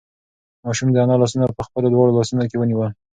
ماشوم د انا لاسونه په خپلو دواړو لاسو کې ونیول.